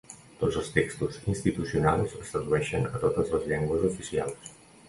Tots els textos institucionals es tradueixen a totes les llengües oficials.